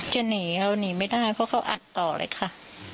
จะหนีเราหนีไม่ได้เพราะเขาอัดต่อเลยค่ะ